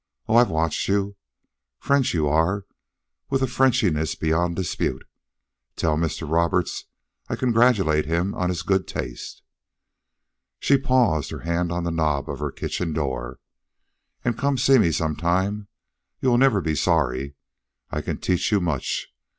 Oh, I've watched you. French you are, with a Frenchiness beyond dispute. Tell Mr. Roberts I congratulate him on his good taste." She paused, her hand on the knob of her kitchen door. "And come and see me some time. You will never be sorry. I can teach you much.